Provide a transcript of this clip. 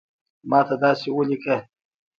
ماته داسی اولیکه